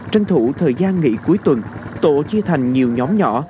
tranh thủ thời gian nghỉ cuối tuần tổ chia thành nhiều nhóm nhỏ